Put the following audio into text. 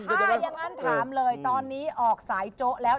ถ้าอย่างนั้นถามเลยตอนนี้ออกสายโจ๊ะแล้ว